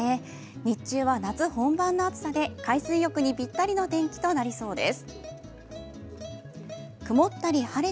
日中は夏本番の暑さで海水浴にぴったりの天気となりそうです。